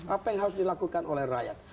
apa yang harus dilakukan oleh rakyat